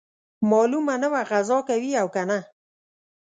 معلومه نه وه غزا کوي او کنه.